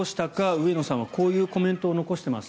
上野さんはこういうコメントを残しています。